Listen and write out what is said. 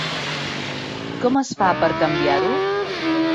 Com es fa per canviar-ho?